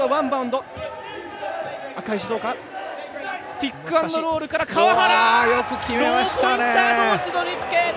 ピックアンドロールから川原！